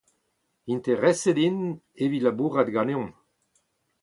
Intereset int evit labourat ganeomp